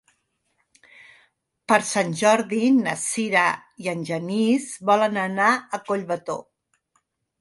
Per Sant Jordi na Sira i en Genís volen anar a Collbató.